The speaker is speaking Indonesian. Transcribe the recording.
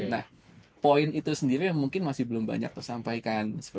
nah poin itu sendiri mungkin masih belum banyak tersampaikan